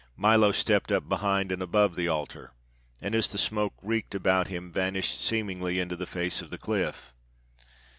Milo stepped up behind and above the altar, and as the smoke reeked about him vanished seemingly into the face of the cliff.